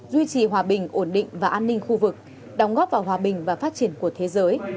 duy trì hòa bình ổn định và an ninh khu vực đóng góp vào hòa bình và phát triển của thế giới